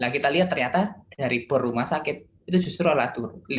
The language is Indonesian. kita lihat ternyata dari bor rumah sakit itu justru olah turun